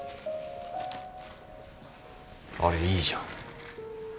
あれいいじゃん。